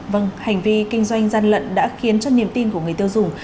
vâng hành vi kinh doanh gian lận đã khiến cho niềm tin của người tiêu dùng